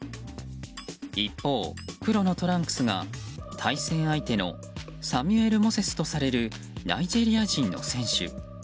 一方、黒のトランクスが対戦相手のサミュエル・モセスとされるナイジェリア人の選手。